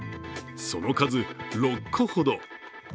その数６個ほど。